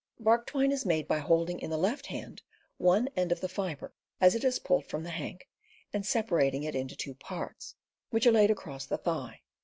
Bark twine is made by holding in the left hand one end of the fiber as it is pulled from the hank, and separating it into two parts, which are laid across the thigh.